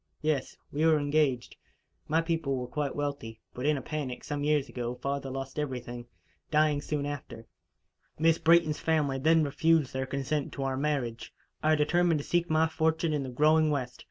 "Yes. We were engaged. My people were quite wealthy; but, in a panic, some years ago, father lost everything, dying soon after. Miss Brayton's family then refused their consent to our marriage. I determined to seek my fortune in the growing West.